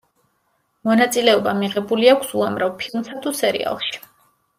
მონაწილეობა მიღებული აქვს უამრავ ფილმსა თუ სერიალში.